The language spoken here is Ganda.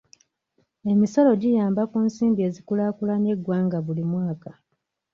Emisolo giyamba ku nsimbi ezikulaakulanya eggwanga buli mwaka.